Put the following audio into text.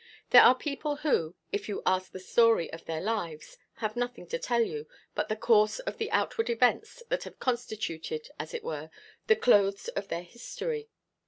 There are people who, if you ask the story of their lives, have nothing to tell you but the course of the outward events that have constituted, as it were, the clothes of their history.